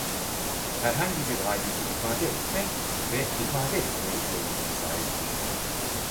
Herhangi bir aleti ifade etme ve ifade etme yeteneğine sahiptir.